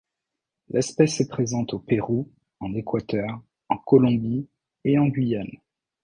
L'espèce est présente au Pérou, en Équateur, en Colombie et en Guyane.